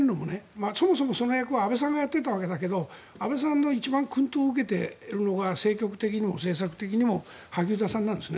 昨日２回呼んでいるのもそもそもその役は安倍さんがやっていたわけだけど安倍さんの薫陶を受けているのが政局的にも政策的にも萩生田さんなんです。